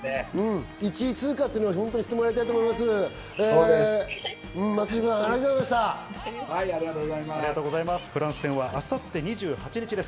１位通過、本当にしてもらいたいと思います。